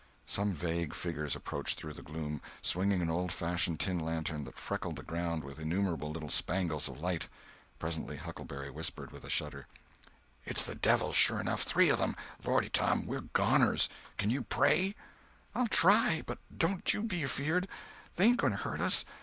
Some vague figures approached through the gloom, swinging an old fashioned tin lantern that freckled the ground with innumerable little spangles of light. Presently Huckleberry whispered with a shudder: "It's the devils sure enough. Three of 'em! Lordy, Tom, we're goners! Can you pray?" "I'll try, but don't you be afeard. They ain't going to hurt us.